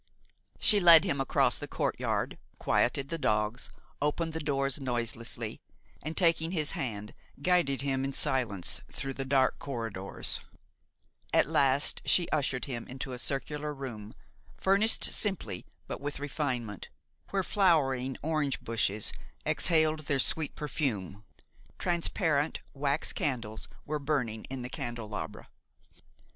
She led him across the courtyard, quieted the dogs, opened the doors noiselessly, and, taking his hand, guided him in silence through the dark corridors; at last she ushered him into a circular room, furnished simply but with refinement, where flowering orange bushes exhaled their sweet perfume; transparent wax candles were burning in the candelabra.